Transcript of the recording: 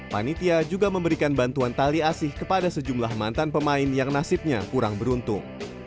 panitia juga memberikan bantuan tali asih kepada sejumlah mantan pemain yang nasibnya kurang beruntung